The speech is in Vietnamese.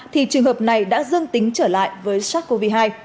thì trường hợp này đã dương tính trở lại với sars cov hai